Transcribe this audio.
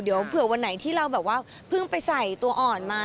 เดี๋ยวเผื่อวันไหนที่เราแบบว่าเพิ่งไปใส่ตัวอ่อนมา